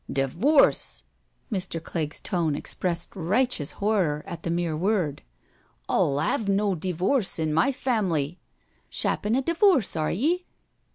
" Divoorce I " Mr. Clegg's tone expressed righteous horror at the mere word. "I'll 'ave no divoorce in my fam'ly— shappin' a divoorce are ye?